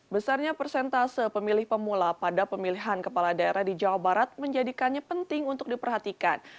besarnya persentase pemilih pemula pada pemilihan kepala daerah di jawa barat menjadikannya penting untuk diperhatikan